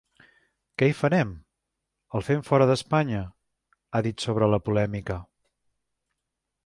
Què hi farem? El fem fora d’Espanya?, ha dit sobre la polèmica.